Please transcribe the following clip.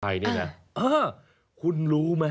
ใครเนี่ยนะอ้าวคุณรู้ไหม